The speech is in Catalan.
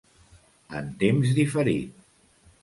En temps diferit.